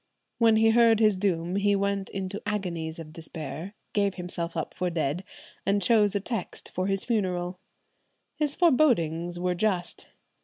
"When he heard his doom he went into agonies of despair, gave himself up for dead, and chose a text for his funeral. His forebodings were just.